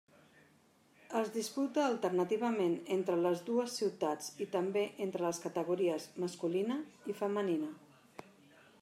Es disputa alternativament entre les dues ciutats i també entre les categories masculina i femenina.